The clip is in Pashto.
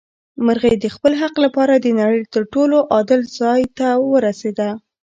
مرغۍ د خپل حق لپاره د نړۍ تر ټولو عادل ځای ته ورسېده.